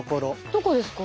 どこですか？